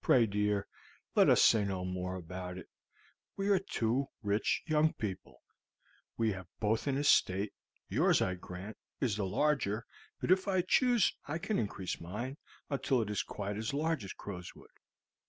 Pray, dear, let us say no more about it. We are two rich young people; we have both an estate; yours, I grant, is the larger, but if I choose I can increase mine, until it is quite as large as Crowswood.